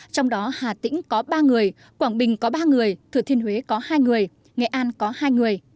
trong đó hà tĩnh có ba người quảng bình có ba người thừa thiên huế có hai người nghệ an có hai người